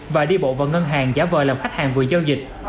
và đi bộ vào ngân hàng giả vờ làm khách hàng vừa giao dịch